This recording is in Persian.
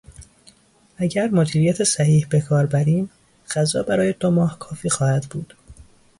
اگر مدیریت صحیح به کار بریم، غذا برای دو ماه کافی خواهد بود.